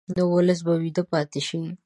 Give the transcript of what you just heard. نو ولس به ویده پاتې شي.